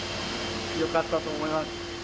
よかったと思います。